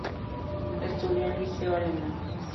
Estudió en el Liceo alemán.